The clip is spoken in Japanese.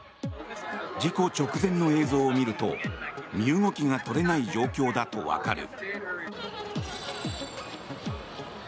事故直前の映像を見ると身動きが取れない状況だとわかる。